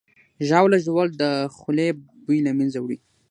ژاوله ژوول د خولې بوی له منځه وړي.